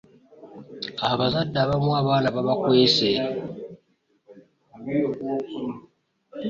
Abazadde abamu abaana baabakwese.